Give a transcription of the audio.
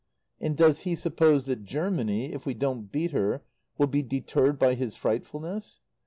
And does he suppose that Germany if we don't beat her will be deterred by his frightfulness?